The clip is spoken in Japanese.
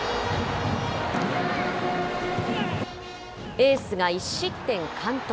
エースが１失点完投。